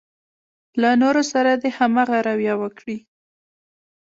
له نورو سره دې هماغه رويه وکړي.